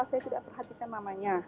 saya tidak perhatikan namanya